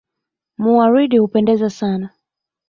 Muwaridi hupendeza sana.